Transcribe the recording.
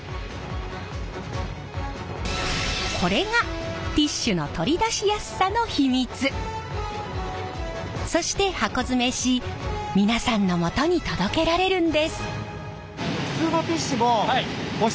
これがティッシュのそして箱詰めし皆さんのもとに届けられるんです。